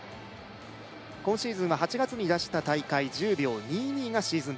今シーズンは８月に出した大会１０秒２２がシーズン